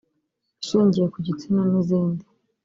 ishingiye ku gitsina n’izindi